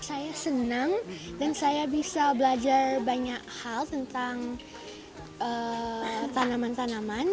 saya senang dan saya bisa belajar banyak hal tentang tanaman tanaman